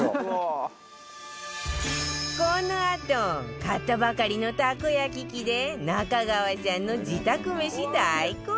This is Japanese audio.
このあと買ったばかりのたこ焼き器で中川さんの自宅めし大公開！